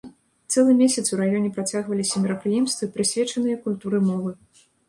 Цэлы месяц у раёне працягваліся мерапрыемствы, прысвечаныя культуры мовы.